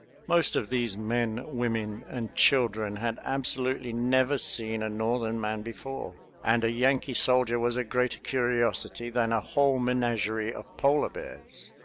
Most of these men, women, and children had absolutely never seen a Northern man before, and a Yankee soldier was a greater curiosity than a whole menagerie of polar bears.